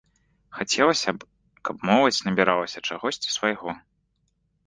Хацелася б, каб моладзь набіралася чагосьці свайго.